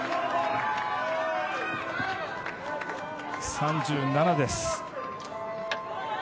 ３７です。